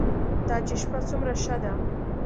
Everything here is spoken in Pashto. دا چې شپه څومره ښه ده.